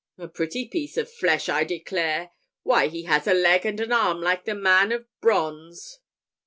A pretty piece of flesh, I declare! Why, he has a leg and an arm like the man of bronze."